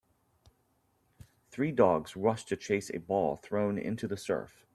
Three dogs rush to chase a ball thrown into the surf.